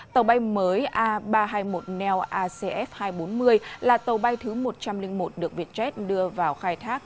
tàu bay mới a ba trăm hai mươi một neo acf hai trăm bốn mươi là tàu bay thứ một trăm linh một được vietjet đưa vào khai thác